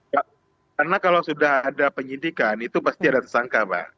karena kalau sudah ada penyidikan itu pasti ada tersangka mbak